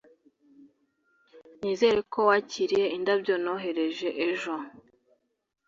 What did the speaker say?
nizere ko wakiriye indabyo nohereje ejo.